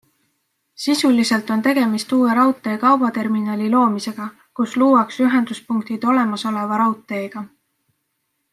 Sisuliselt on tegemist uue raudtee kaubaterminali loomisega, kus luuakse ühenduspunktid olemasoleva raudteega.